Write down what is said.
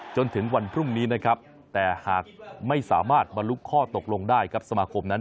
จนถึงวันพรุ่งนี้นะครับแต่หากไม่สามารถบรรลุข้อตกลงได้ครับสมาคมนั้น